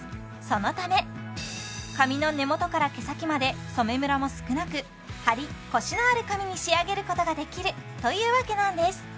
そのため髪の根元から毛先まで染めムラも少なくハリ・コシのある髪に仕上げることができるというわけなんです！